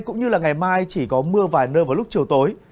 cũng như là ngày mai chỉ có mưa vài nơi vào lúc chiều tối